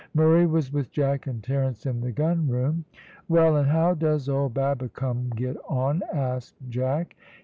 Murray was with Jack and Terence in the gun room. "Well, and how does old Babbicome get on?" asked Jack.